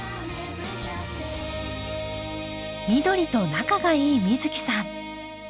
緑と仲がいい美月さん。